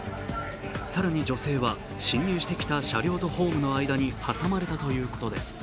更に女性は、進入してきた車両とホームの間に挟まれたということです。